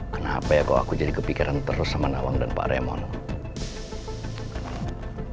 kenapa ya kok aku jadi kepikiran terus sama nawang dan pak remono